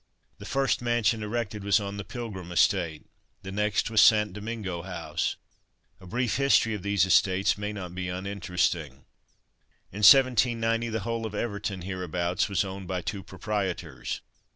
The first mansion erected was on the Pilgrim Estate; the next was St. Domingo House. A brief history of these estates may not be uninteresting. In 1790 the whole of Everton hereabouts was owned by two proprietors.